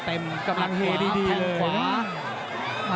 กำลังเฮดีดีเลยแทงขวา